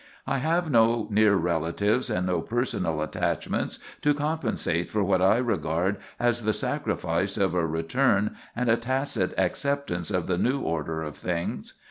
I have no near relatives and no personal attachments to compensate for what I regard as the sacrifice of a return and a tacit acceptance of the new order of things.